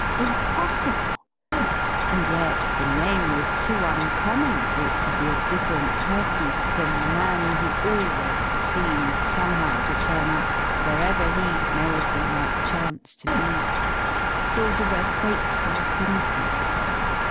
Impossible, and yet the name was too uncommon for it to be a different person from the man who always seemed somehow to turn up wherever he, Merriton, might chance to be. Sort of a fateful affinity.